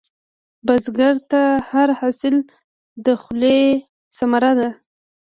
بزګر ته هر حاصل د خولې ثمره ده